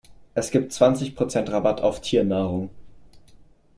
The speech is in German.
Es gibt zwanzig Prozent Rabatt auf Tiernahrung.